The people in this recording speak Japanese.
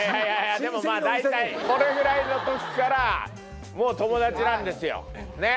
でもまぁ大体これぐらいの時からもう友達なんですよねっ。